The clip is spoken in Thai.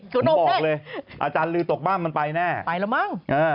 เขาบอกเลยอาจารย์ลือตกบ้านมันไปแน่ไปแล้วมั้ง